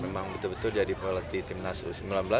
memang betul betul jadi pelatih timnas u sembilan belas